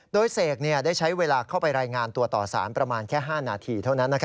โดยเสกได้ใช้เวลาเข้าไปรายงานตัวต่อสารประมาณแค่๕นาทีเท่านั้น